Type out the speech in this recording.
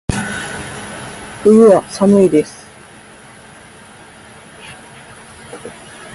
冬は、寒いです。